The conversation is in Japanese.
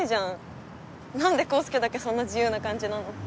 なんで康祐だけそんな自由な感じなの？